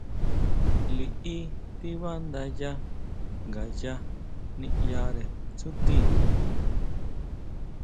Liʼí tíbándayá ngayá niʼyare tsútii.